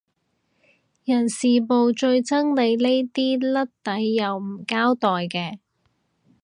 人事部最憎你呢啲甩底又唔交代嘅